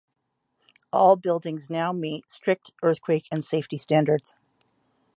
All buildings now meet strict earthquake and safety standards.